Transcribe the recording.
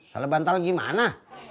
salah bantal gimana